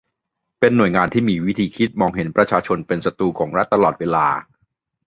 เป็นหน่วยงานที่มีวิธีคิดมองเห็นประชาชนเป็นศัตรูของรัฐตลอดเวลา